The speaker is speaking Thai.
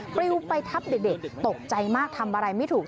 ปลิวไปทับเด็กตกใจมากทำอะไรไม่ถูก